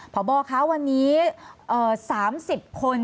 พ่อบอลคะวันนี้๓๐คน